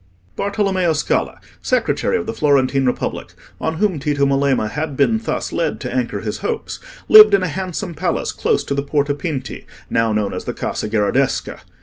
Bartolommeo Scala, secretary of the Florentine Republic, on whom Tito Melema had been thus led to anchor his hopes, lived in a handsome palace close to the Porta Pinti, now known as the Casa Gherardesca.